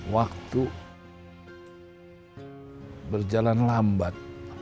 waktu berjalan lambat